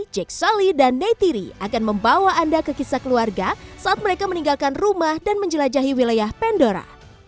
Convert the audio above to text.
jake sully dan nate thierry akan membawa anda ke kisah keluarga saat mereka meninggalkan rumah dan menjelajahi wilayah pandora